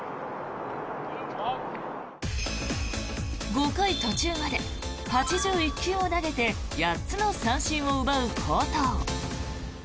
５回途中まで８１球を投げて８つの三振を奪う好投。